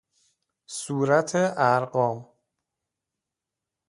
صورت ارقام